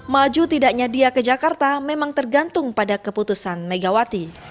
maju tidaknya dia ke jakarta memang tergantung pada keputusan megawati